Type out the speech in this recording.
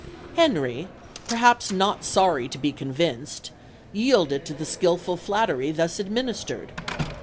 Henry, perhaps not sorry to be convinced, yielded to the skilful flattery thus administered.